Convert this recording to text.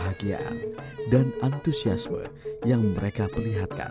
baik itu untuk acara desa maupun acara adat yang pertama parah dalam kegaman